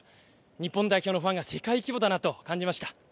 日本代表のファンが世界規模だなと感じました。